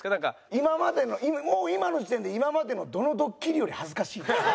今までのもう今の時点で今までのどのドッキリより恥ずかしい。